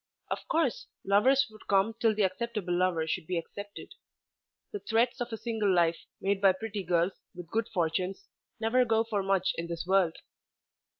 Of course lovers would come till the acceptable lover should be accepted. The threats of a single life made by pretty girls with good fortunes never go for much in this world.